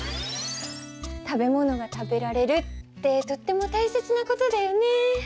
食べ物が食べられるってとっても大切なことだよね。